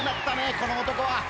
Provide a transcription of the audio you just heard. この男は］